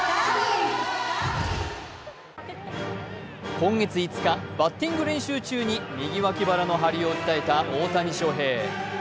今月５日、バッティング練習中に右脇腹の張りを訴えた大谷翔平。